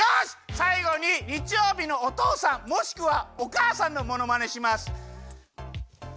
さいごににちようびのおとうさんもしくはおかあさんのものまねします。